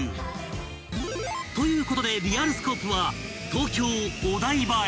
ということでリアルスコープは東京お台場へ］